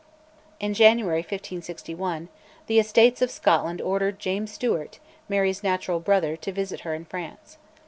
In January, 1561, the Estates of Scotland ordered James Stuart, Mary's natural brother, to visit her in France.